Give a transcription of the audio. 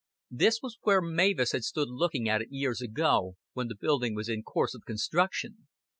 This was where Mavis had stood looking at it years ago, when the building was in course of construction.